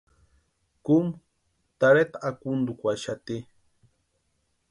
Kúmu tarheta akuntukwaaxati.